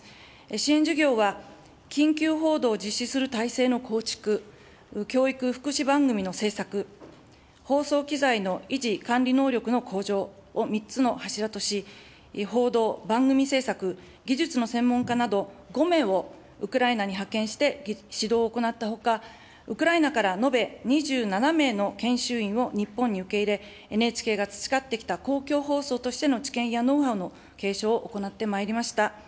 支援事業は、緊急報道を実施する体制の構築、教育・福祉番組の制作、放送機材の維持管理能力の向上を３つの柱とし、報道、番組制作、技術の専門家など５名をウクライナに派遣して、指導を行ったほか、ウクライナから延べ２７名の研修員を日本に受け入れ、ＮＨＫが培ってきた公共放送としての知見やノウハウの継承を行ってまいりました。